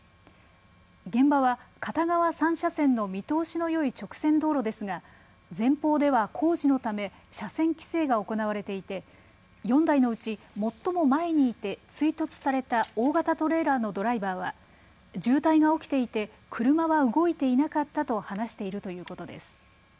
現場は片側３車線の見通しのよい直線道路ですが前方では工事のため、車線規制が行われていて４台のうち最も前にいて追突された大型トレーラーのドライバーは渋滞が起きていて車は動いていなかったと話しているということです。